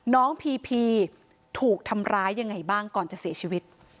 พีพีถูกทำร้ายยังไงบ้างก่อนจะเสียชีวิต